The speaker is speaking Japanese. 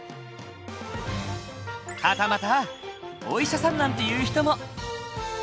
はたまたお医者さんなんていう人も。